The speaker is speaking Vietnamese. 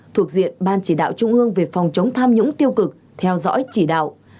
thuộc diện ban chỉ đạo trung ương về phòng chống tham nhũng tiêu cực theo dõi chỉ đạo